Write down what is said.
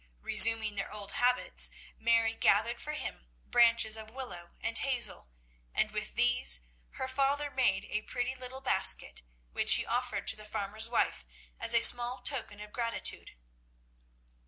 Resuming their old habits, Mary gathered for him branches of willow and hazel, and with these her father made a pretty little basket, which he offered to the farmer's wife as a small token of gratitude.